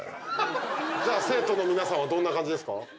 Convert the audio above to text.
じゃあ生徒の皆さんはどんな感じですか？